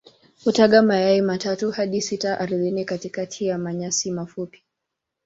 Hutaga mayai matatu hadi sita ardhini katikati ya manyasi mafupi.